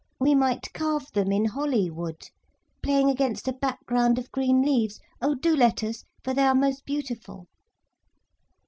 We might carve them in holly wood, playing against a background of green leaves. Oh do let us, for they are most beautiful.